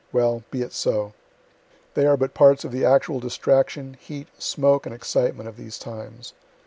Well, be it so. They are but parts of the actual distraction, heat, smoke and excitement of those times.